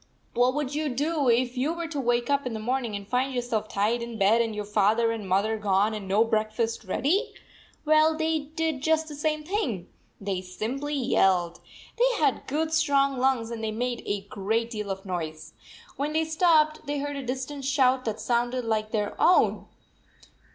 What would you do if you were to wake up in the morning and find yourself tied in bed and your father and mother gone and no breakfast ready? Well, they did just the same thing! They simply yelled. They had 70 good strong lungs and they made a great deal of noise. When they stopped, they heard a distant shout that sounded like their own.